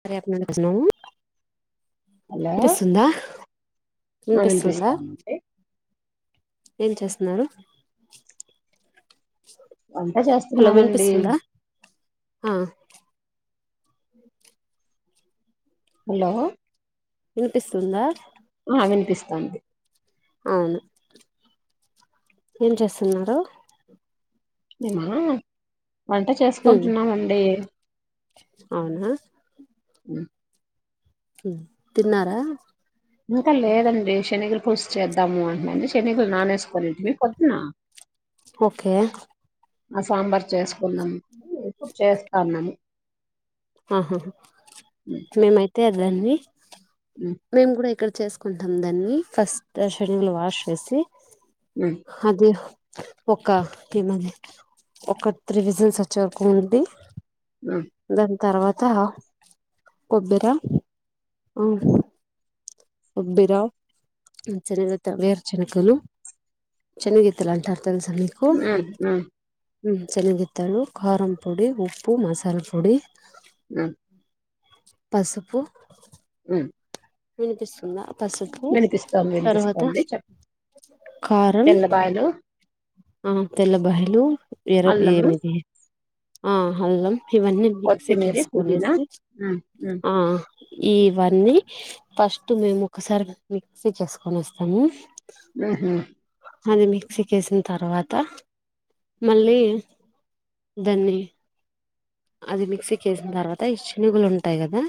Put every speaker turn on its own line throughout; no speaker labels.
సరే అప్ననాల బసను
హలో
వినిపిస్సుందా
ఆ
వినిపిస్సుందా
వినిపిస్తానండి
ఏం చేస్తున్నారు?
వంట
హలో
చేస్తున్నామండి
వినిపిస్తుందా ఆ
హలో
వినిపిస్తుందా
మానే వినిపిస్తుంది
అవును ఏం చేస్తున్నారు?
నిమ్మహ వంట
హ్మ్
చేసుకుంటున్నామండి
అవునా
ఊ
మ్మ్ తిన్నారా
ఇంకా లేదండి శనగలు పూజ చేద్దాము అంటు శనగులు నానేసుకొనింటివి పొద్దున
ఓకే
ఆ సాంబార్ చేసుకున్నాం ఇప్పుడు చేస్తాన్నాను
ఆహా మేముయితే అ దాన్ని మేము కూడా ఇక్కడ చేసుకుంటాం దాన్ని ఫస్ట్ షెడ్యూల్ వాష్ చేసి అదే ఒక ఏమంది ఒక త్రివిజన్స్ వచ్చేకు ఉంటంది దన్ తర్వాత కొబ్బెర హు కొబ్బిరా చెనగిత వేర్ చెనగులు చెనిగిత్తులు అంట తెలుసా మీకు మ్మ్ చెనగిత్తాలు కారంపొడి ఉప్పు మసాలా పొడి పసుపు
మ్మ్
వినిపిస్తుందా పసుపు
వినిపిస్తోంది
తర్వాత
వినిపిస్తోంది చెప్
కారం
తెల్ల బాయలు
ఆ తెల్ల బాయలు ఇర
అల్లము
ఏమిది ఆ అల్లం ఇవన్నీ
కొత్తిమీరి పుదీనా
మిక్సీకేసుకొనేసి
ఉహు
ఆ ఆ ఈవన్నీ ఫస్ట్ మేము ఒకసారి మిక్సీకి వేసుకొనేస్తాము
ఉహు
అది మిక్సీకి వేసిన తర్వాత మళ్ళీ దాన్ని అది మిక్సీకి వేసిన తర్వాత ఇ చినుగులు ఉంటాయి కదా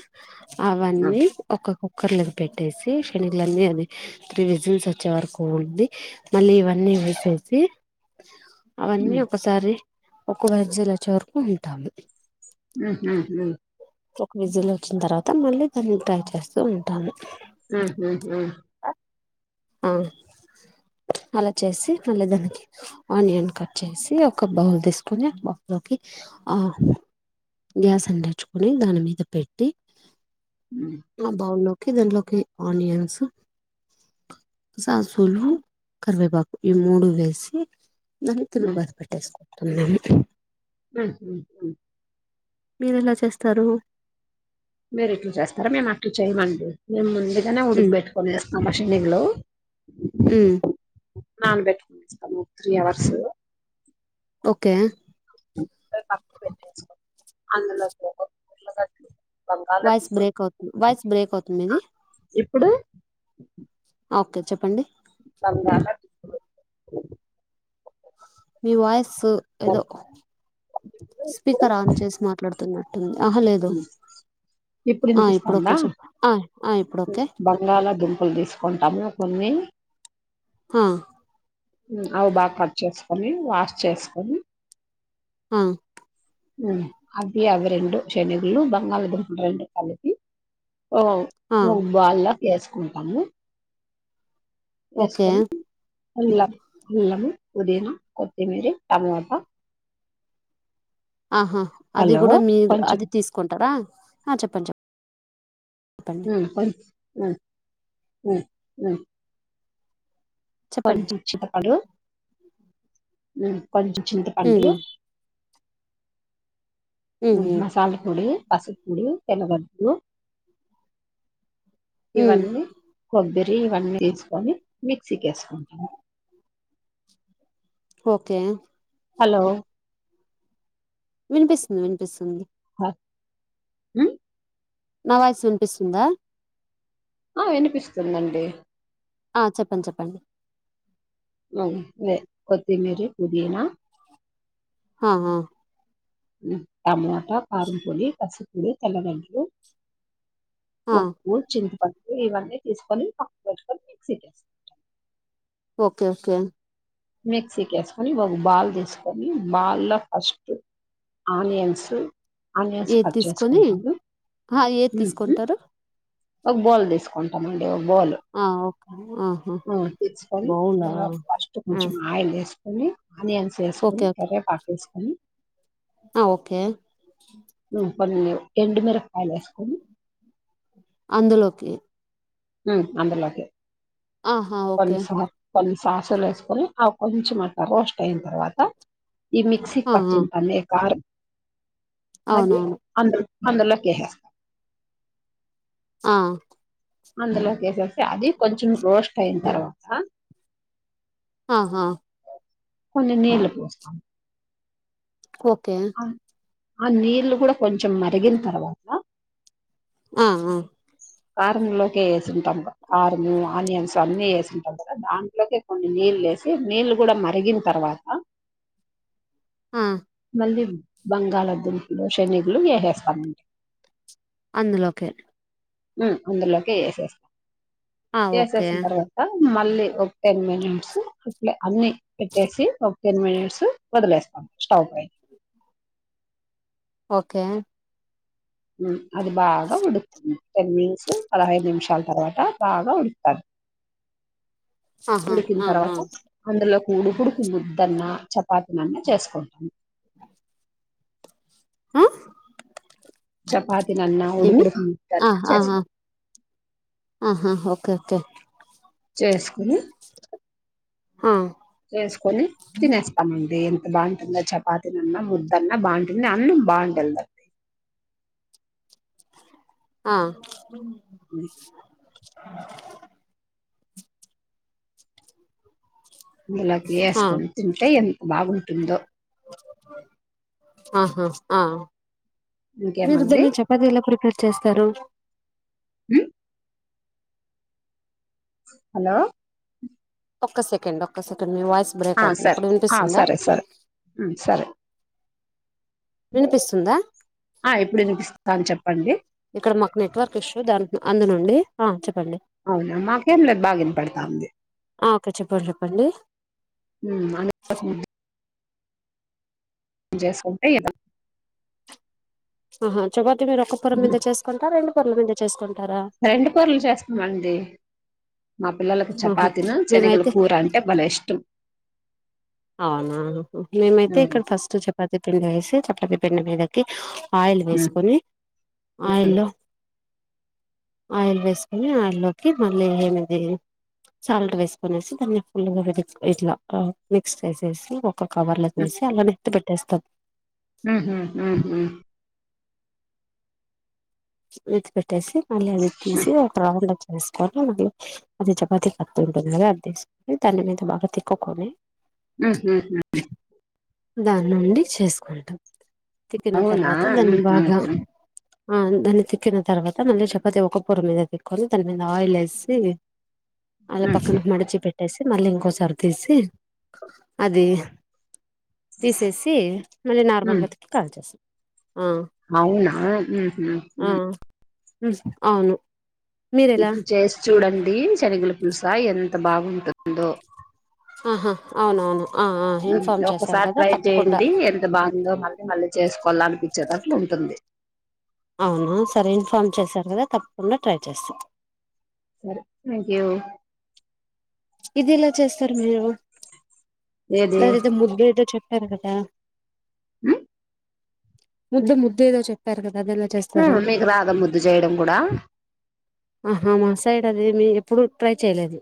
అవన్నీ ఒక్కొక్క కుక్కర్లోకి పెట్టేసి క్షణలన్నీ అది త్రీ విజిల్స్ వచ్చే వరకు ఉంది మళ్ళీ ఇవన్నీ వేసేసి అవన్నీ ఒకసారి ఒక వెజ్జిలు వచ్చేవరకు ఉంటాము
హ్మ్ హు మ్మ్
ఒక విజిల్ వచ్చిన తర్వాత మళ్ళీ దాన్ని ట్రై చేస్తూ ఉంటాను
ఉహు ఉహు
ఆ అలా చేసి మళ్ళీ దానికి ఆనియన్ కట్ చేసి ఒక బౌల్ తీసుకొని ఆ బౌల్లోకి ఆ గ్యాస్ అందించుకొని దాని మీద పెట్టి ఆ బాగున్నా దాంట్లోకి ఆనియన్స్ ససూలు కరివేపాకు ఈ మూడు వేసి నం తిరుగుబాత పెట్టేసు న్నం
ఆ హా హ
మీరెలా చేస్తారు
మీరు ఇట్ల చేస్తారా మేము అట్ల చేయమండి మేము ముందు ఇదనే
ఉమ్
ఉడగబెట్టుకొనేస్తాం అమ్మ శనిగులు
ఉమ్
నానబెట్టుకునేస్తాం త్రీ అవర్స్
ఓకే
పక్క పెట్టేసుకోని అందులోకి ఒక ఉల్లగడ్డ
వాయిస్ బ్రేక్ అవుతుంది వాయిస్ బ్రేక్ అవుతుంది
ఆ!
మీది
ఇప్పుడు
ఓకే చెప్పండి
[unintelligible]
మీ వాయిస్ ఏదో స్పీకర్ ఆన్ చేసి మాట్లాడు తున్నారు ఆ ఇప్పుడు ఓకే
ఇప్పుడునిపిస్తాందా
చెప్ప ఆ ఆ ఇప్పుడు ఓకే
బంగాళా దుంపలు తీసుకుంటాము కొని
హా
అవి బాగా కట్ చేసుకొని వాష్ చేసుకొని
ఆ
ఉమ్ అవి అవి రెండు శణగులు బంగాళదుంపలు రెండు కలిపి
ఆ
ఓ బాల్ లా వేసుకుంటాము
ఓకే
వేసుకొని అల్లం అల్లము పుదీనా కొత్తిమీరీ టమోటా
ఆహా అది
హలో
కూడా మీరు
కొంచెం
అది తీసుకుంటారా ఆ చెప్పండి చెప్ప
ఉమ్ కొంచ ఊ ఉ ఉ
చెప్పండి
కొంచం చింతపండు ఉమ్ కొంచెం
ఉమ్
చింతపండు
ఉమ్ ఉమ్
మసాలా పొడి పసుపుపుడి తెలు
ఉమ్
ఇవన్నీ కొబ్బరు ఇవన్నీ తీసుకుని మిక్సీ వేసుకోవాలి
ఓకే
హలో
వినిపిస్తుంది వినిపిస్తుంది
హ్మ్
నా వాయిస్ వినిపిస్తుందా
ఆ వినిపిస్తుందండి
ఆ చెప్పండి చెప్పండి
అ కొత్తి మిరి పుదీనా
ఆహా
టమాటా కారంపొడి పసుపుడు తెల్లగడ్డలు
ఆ
ఒఓ చింతప ఇవన్నీ తీసుకొని పక్క పెసుకొని మిక్స చేస్తు
ఓకే ఓకే
మిక్సీకి వేసుకొని ఒక బాల్ తీసుకొని బాల్ లో ఫస్ట్ ఆనియన్స్ ఆనియన్స్
ఏది
కట్
తీసుకొని
చేసుకుంటాము
ఏది
ఉహు.
తీసుకుంటారు
ఒక బో దసు కొంట మ బోల్
ఆ ఓకే ఆహా
తీసుకొని
బౌలా
అందులో ఫస్ట్
ఆ
కొంచం ఆయిల్ వేసుకొని ఆనియన్స్ వేసుకొని
ఓకే ఓకే
కర్రేపాకు వేసుకొని అనీ
ఆ ఓకే
ఉ మ ఎండు మీర ఫయల్ వేసుకొని
అందులోకి
అందలాకి
ఆహా ఓకే
కొన్ని సాసులు వేసుకొని అవి కొంచెం అంత రోస్ట్ అయిన తర్వాత ఈ మిక్సీకి
ఆ ఆ
పచ్చి బాలే కారం ఆది
అవునవును
అందరం అందులోకే
ఆ
అందులోకిసేసి అది కొంచెం రోస్ట్ అయిన తర్వాత
ఆహా
కొన్ని నీళ్లు పోస్తాను
ఓకే
ఆ నీళ్లు కూడా కొంచెం మరిగిన తర్వాత
ఆ ఆ
కారంలోకే టాం కారం ఆనియన్స్ అన్ని వే కదా దాంట్లోకి కొన్ని నీళ్ళు వేసి నీళ్ళు కూడా మరిగిన తర్వాత
ఆ
దిం బంగాళాదుంపులు శనీగులు ఏహేస్తాం
అందులోకే
ఉమ్ అందులోకే ఏసేస్తా
ఆ ఓకే
ఏసేసిన తర్వాత మళ్ళీ ఒక టెన్ మినిట్స్ అప్లే అన్ని పెట్టేసి ఓ టెన్ మినిట్స్ వదిలేస్తాం స్టవ్ పై
ఓకే
ఉమ్ అది బాగా ఉడుకుంది టెన్ మిట్స్ పదహైదు నిమిషాలు తర్వా్ బాగా ఉడుకుతాది
ఆహా
ఉడికిన
ఆ ఆ
తర్వాత అందులో ఉడుకుడుకు ముద్దన్నా చపాతీలన్నా చేసుకుంటాము
ఆ
చపాతీ నన్నా
ఏమి
ఉడుకుడుకు
ఆ
ముద్దన్నా
ఆహా
చేసుకున్
ఆహా ఓకే ఓకే
చేసుకుని
ఆ
వేసుకొని తినేస్తామండి బావుంటుందా చపాతినన్నా ముద్దన్నా బావుంటుంది అన్నం బావుండాల
ఆ
అందులోకి
ఆ
ఏసుకొని తింటే ఎంత బాగున్ టుందో
ఆహా ఆ
ఇంకేమండి
నిరుద్దని చపాతి ఎలా ప్రిపేర్ చేస్తారు
మ్మ్ హలో
ఒక్క సెకండ్ ఒక్క సెకండ్ మీ వాయి
ఆ సరే ఆ సరే సరే ఉమ్ సరే
వినిపిస్తుందా
ఆ ఇప్పుడు వినిపిస్తాను చెప్పండి
ఇక్కడ మాకు నెట్వర్క్ ఇష్యూ దాని అందునుండి ఆ చెప్
అవునా మాకేం లేదు బాగినపడతా ఉంది
ఆ ఓకే చెప్పండి చెప్పండి
ఉమ్ [inaudible] జేస్కుంటే [inaudible]
ఆహా చెపాత్ తి మీరు ఓక్క పొరం మీద చేసుకుంటా రెండు పొరల మింద చేసుకున్
రెండు పొర్లు చేస్తామండి మా పిల్లలకు
ఆహా
చపాతిను చనగల
మేమైతే
కూర అంటే బలే ఇష్టం
అవునా మేమైతే
ఉమ్
ఇక్కడ ఫస్ట్ చెపాతి పిండె వేసి చపాతి పిండే మీదకి ఆయిల్
ఉమ్
వేసుకొని ఆయిల్లో ఆయిల్ వేసుకొని ఆయిల్ లోకి మళ్ళీ ఏమిది సాల్ట్ వేసుకొనేసి దాన్ని ఫుల్ గా ఇట్లా మిక్స్ చే చెసి ఒక కవర్ లోకి ఏసి అలానే వొత్తి పెట్టేస్తాం
ఉహు హుహు
[unintelligible] ట్టేసి మళ్లీ అవి ఎత్తేసి ఒక రౌండ్ వొ వేసుకొని అది అది చపాతి కత్తి ఉంటుంది కదా అది తీసుకొని దాని మీద బాగా తిక్కుకొని
ఉహు హుమ్
దాని నుండి చేసుకుంటాం తిక్కిన
అవునా
ఆన్ దాన్ని తిక్కిన తర్వాత మళ్ళీ చపాతి ఒక పొర మీద తిక్కొని దాని మీద ఆయిల్ ఏసి అలా
ఉహు
పక్కన మడిచి పెట్ పెట్టేసి మళ్ళీ ఇంకోసారి తీసి అది తీసేసి మళ్ళీ నార్మల్
ఉమ్
గా తిప్పి కాల్ చేసాం
అవునా ఊహు
ఆ
హు
అవును మీరెలా
ఇట్లు చేసి చూడండి శనగుల తెలుసా ఎంత బాగుంటుందో
ఆహా అవునవును ఆ ఆ ఇన్ఫార్మ్ చేశారు
ఒక్కసారి
కదా
ట్రై
తప్పకుండా
చేయండి ఎంత బాగుందో మళ్ళీ మళ్ళీ చేసుకోవాల అనిపించేటట్లు ఉంటుంది
అవునా సరే ఇన్ఫార్మ్ చేశారు కదా తప్పకుండా ట్రై చేస్తా
సరే థ్యాంక్ యూ
ఇది ఎలా చేస్తారు మీరు
ఏది
సదతే ముద్గు [unintelligible] ఎరగడ్డ
అ
ముద్ద్ ముద్ద ఏదో చెప్పారు కదా అది ఎలా
హ
చేస్తారు
మీకు రాద ముద్దు జేయడం కూడా
అదె మీ ఎప్పుడు ట్రై చేయలే అది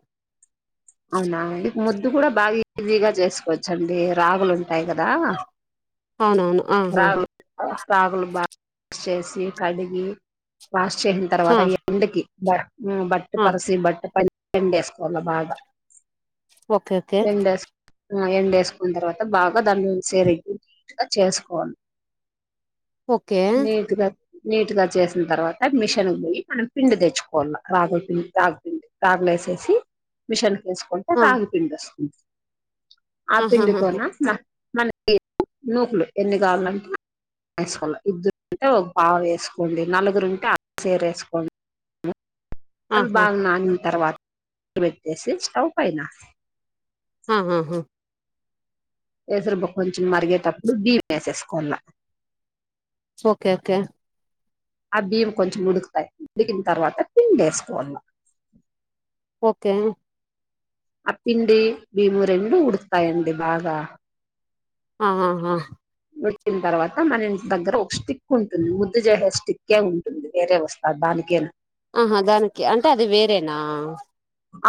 అవునా ఇ ముద్దు కూడా బా ఈజీగా చేసుకోవచ్చు వచ్చండి రాగులు ఉంటాయి కదా
అవునవును ఆహా
రాగులు రాగులు బా చేసి కడిగి బ చేసిన
హా
తర్వాత ఎండకి బా బట్ట
హా
పరసీ బట్ట పైన ఎండేసుకోవాలా బాగా
ఓకే ఓకే
ఎండేసు ఎండేసుకున్న తర్వాత బాగా దాన్ని సరిగా చేసుకోవాలి
ఓకే
మీ నీట్ గా చేసిన తర్వాత మిషన్ పోయి మనం పిండి తెచ్చుకోవాల రాగుల పిండి రాగు పండి రాగులు వేసేసి మిషన్ వేసుకుంటే
ఆ
రాగి పిండి వస్తుంది ఆ
ఆహాహాహా
పిండితోనా మనకి నూకులు ఎన్ని కావలంటే వేసుకోవాలి ఇద్ద్దరుంటే ఒక పవ వేసుకోండి నలుగురు ఉంటే అ సీర వేసుకోండి అవి
ఆహా
బాగ నానినా తర్వాత బెట్టేసి స్టవు పైనా
ఆహా హా
కేసురుబ కొంచెం మరిగేటప్పుడు బియ్యం వేసుకోవాలా
ఓకే ఓకే
ఆ బియ్యం కొంచెం ఉడుకుతాయి ఊడికిన తర్వాత పిండి వేసుకోవాలి
కు
అప్పిండి భీము రెండు ఉడుకుతాయండి బాగా
ఆ ఆా ఆా
పెట్టిన తర్వాత మన ఇ దగ్గర ఒక స్టిక్ ఉంటుంది ముద్దు చేసే స్టిక్కే ఉంటుంది వేరే వస్తారు దానికేనా
ఆహా దానికి అంటే అది వేరేనా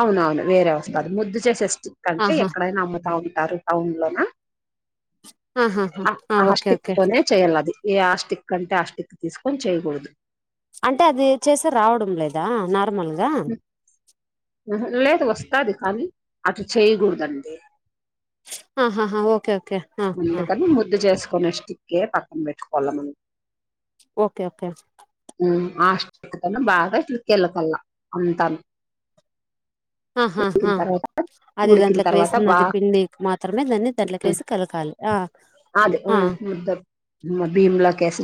అవునవును వేరే వస్తది ముద్ద చేసే స్టిక్ క్కంటే
ఆహా
ఎక్కడైనా అమ్ముతా ంటారు టౌన్ లోనా
ఆహాహా
ఆ ఆ
ఓకే ఓకే
హస్టిక్తోనే చెయాల అది ఏ ఆ స్టిక్ కంటే ఆ స్టిక్ తీసుకొని చేయకూడదు
అంటే అది చేసే రావడం లేదా నాకు
లేదు వస్త అది కానీ అటు చేయకూడదండి
ఆహాహా ఓకే ఓకే ఆ ఆ
అందుకని ముద్దు చేసుకు కోనష్టిక్కే పాకం పెట్టుకోవాలని ఉ
ఓకే ఓకే
అతను బాగా చికెళ్ళకాళ్ళ అంతాను
ఆహా
ఉడికిన
హా
తర్వాత
అది
ఉడికిన
దాంట్లోక్
తర్వాత
వేసిన్నది
బాగా
పిండి మాత్రమే దాన్ని దాట్ల కేసి కలకాలి. ఆ
అది
ఆ
హ్మ్ ముద్ద బిమలకేసి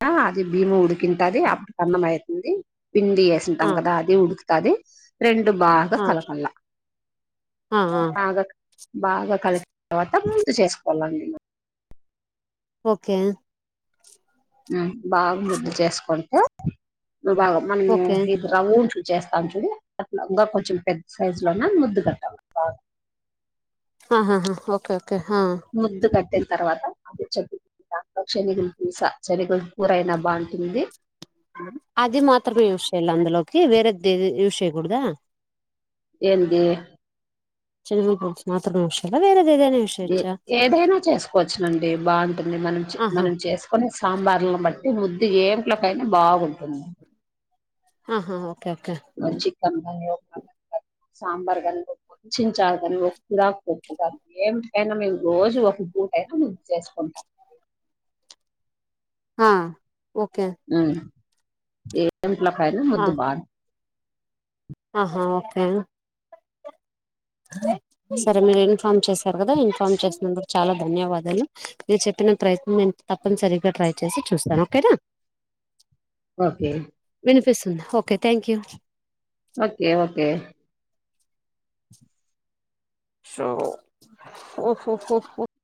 [unintelligible] అది భీము ఉడికింటది అప్ అన్నం అయితుంది. పిండి
ఆ
యెసింటాం కదా అది ఉడుక్ కదే రెండు బాగా
ఆ
కలకల
ఆ ఆ
బాగా బాగా కలిసిన తర్వాత ముద్ద చేసు ఒళ్ళంగిన్న
ఓకే
బాగా ముద్ద చేసుకుంటే
ఓకే
[unintelligible] చేస్తాను చూడు అట్ల ఇంకా కొంచెం పెద్ద సైజులోన ముద్దు పెట్టాల బాగా
ఆహాహా ఓకే ఓకే ఆ
ముద్దు కట్టిన తర్వాత అదే చె [inaudible] దాంట్లో శనిగుల పూసా శనిగుల కూరయినా బాగుంటుంది.
అది మాత్రమే యూజ్ చేయాలి అందులోకి వేరేదేది యూష్ చేయకుడదా
ఎంది
[unintelligible] మాత్రమే [unintelligible] వేరేది ఏదైనా యూస్
ఏ
చేయొచ్చా
ఏదైనా చేసుకోవచ్చునండి బాగుంటుంది మనం చె
ఆహా
మనం చేసుకునే సాంబార్లను బట్టి ముద్దు ఏం ఇంట్లోకైనా బాగుంటుంది.
ఆహా ఓకే ఓకే
మంచికన్మయె సాంబార్ గని కొంచం చారు గని ఒక కిరాక్ పప్పు [inaudible] మేమ్ రోజు ఒక్కపూట అయినా ముంచెస్కుంటాం.
ఆ ఓకే
ఏ ఇంట్లోకైనా
ఆ
మొద్దు బారం
ఆహా ఓకే సరే మీరు ఇన్ఫామ్ చేస్ [unintelligible] కదా ఇన్ఫామ్ చేసింది. చాలా ధన్యవాదాలు మీరు చెప్పిన ప్రయత్నం నేన్ తప్పనిసరిగా ట్రై వచ్చేసి చూస్తాను ఓకేనా
ఓకే
వినిపిస్తుందా okay thank you
okay okay
so